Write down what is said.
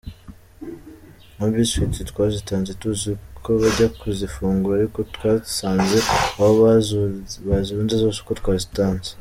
Nka biscuits twazitanze tuzi ko bajya kuzifungura ariko twasanze aho bazirunze zose uko twazitanze.